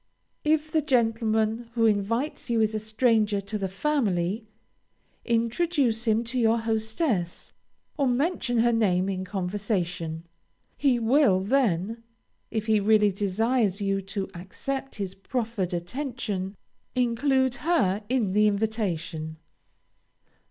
If the gentleman who invites you is a stranger to the family, introduce him to your hostess, or mention her name in conversation. He will then, if he really desires you to accept his proffered attention, include her in the invitation.